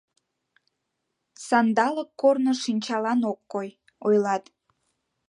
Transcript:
Сандалык корно шинчалан ок кой, ойлат.